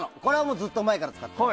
ずっと前から使ってる。